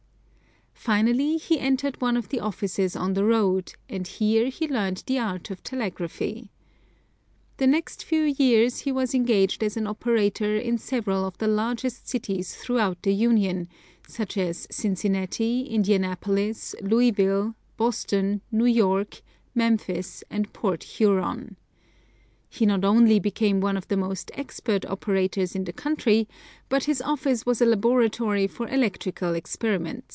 Finally, he entered one of the offices on the road, and here he learned the art of telegraphy. The next few years he was engaged as an operator in several of the largest cities throughout the Union, such as Cincinnati, Indianapolis, Louisville, Boston, New York, Memphis, and Port Huron. He not only became one of the most expert operators in the country, but his office was a labratory for electrical experiment.